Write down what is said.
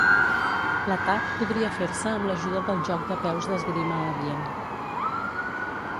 L'atac podria fer-se amb l'ajuda del joc de peus d'esgrima adient.